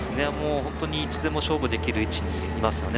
いつでも勝負できる位置にいますね。